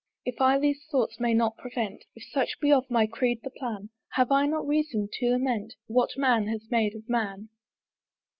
If I these thoughts may not prevent, If such be of my creed the plan, Have I not reason to lament What man has made of man?